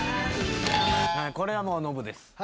これはもうノブです。